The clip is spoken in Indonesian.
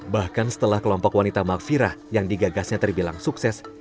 bahkan setelah kelompok wanita makfirah yang digagasnya terbilang sukses